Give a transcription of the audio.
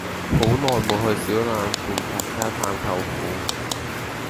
好耐無去小欖冠發街探舅父